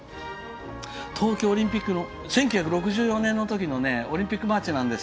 東京オリンピックの１９６４年のときの「オリンピック・マーチ」です。